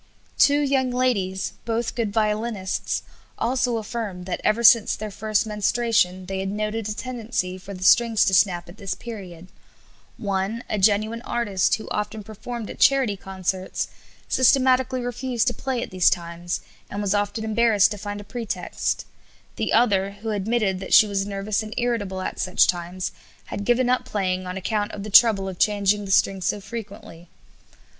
Two young ladies, both good violinists, also affirmed that ever since their first menstruation they had noted a tendency for the strings to snap at this period; one, a genuine artist, who often performed at charity concerts, systematically refused to play at these times, and was often embarrassed to find a pretext; the other, who admitted that she was nervous and irritable at such times, had given up playing on account of the trouble of changing the strings so frequently.